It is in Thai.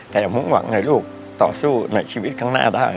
แต่อย่ามุ่งหวังให้ลูกต่อสู้ในชีวิตข้างหน้าได้